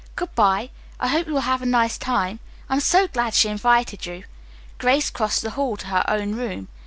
Good bye. I hope you will have a nice time. I am so glad she invited you." Grace crossed the hall to her own room.